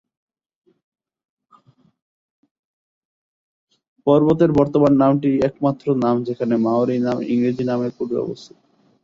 পর্বতের বর্তমান নামটিই একমাত্র নাম যেখানে মাওরি নাম ইংরেজি নামের পূর্বে অবস্থিত।